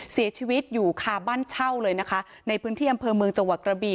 เสียชีวิตอยู่คาบ้านเช่าเลยนะคะในพื้นที่อำเภอเมืองจังหวัดกระบี